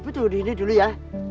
ibu tuh di sini dulu ya